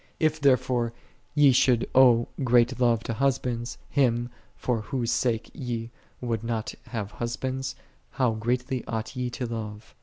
If therefore ye should owe great love to husbands, Him, for Whose sake ye would not have husbands, how greatly ought ye to love